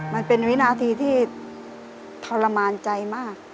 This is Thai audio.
มันเป็นวินาทีที่ทรมานใจมาก